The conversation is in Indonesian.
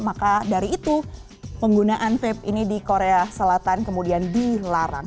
maka dari itu penggunaan vape ini di korea selatan kemudian dilarang